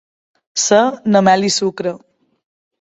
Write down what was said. Ser Na Mel-i-Sucre.